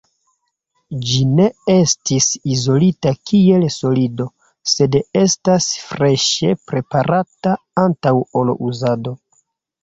Ĝi ne estis izolita kiel solido, sed estas freŝe preparata antaŭ ol uzado.